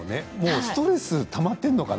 ストレスがたまっているのかな